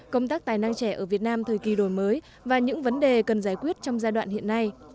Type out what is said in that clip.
công tác tài năng trẻ ở việt nam thời kỳ đổi mới và những vấn đề cần giải quyết trong giai đoạn hiện nay